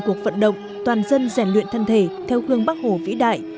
cuộc vận động toàn dân rèn luyện thân thể theo gương bắc hồ vĩ đại